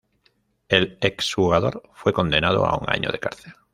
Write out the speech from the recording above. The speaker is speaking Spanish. El ex-jugador fue condenado a un año de cárcel.